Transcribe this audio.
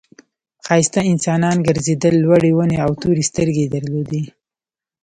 ښایسته انسانان گرځېدل لوړې ونې او تورې سترګې درلودې.